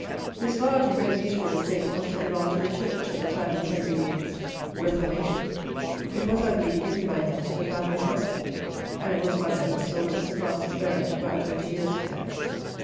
This large and very beautiful estate must have belonged to the Church at the time of Henry the Eighth's "reformation." It was, I believe, given by him to the family of Russell; and it was, by them, sold to Sir Francis Baring about twenty years ago.